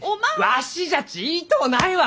わしじゃち言いとうないわ！